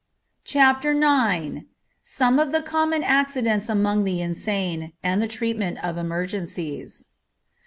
CHAPTER IX. SOME OF THE COMMON ACCIDENTS AMONG THE INSANE, AND THE TREATMENT OF EMERGENCIES.